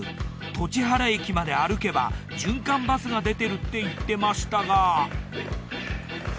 栃原駅まで歩けば循環バスが出てるって言ってましたが。